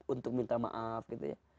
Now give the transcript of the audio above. untuk minta maaf gitu ya